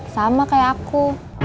sama kayak aku